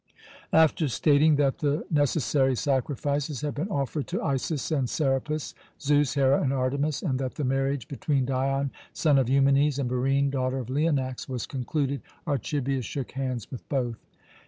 After stating that the necessary sacrifices had been offered to Isis and Serapis, Zeus, Hera, and Artemis, and that the marriage between Dion, son of Eumenes, and Barine, daughter of Leonax, was concluded, Archibius shook hands with both.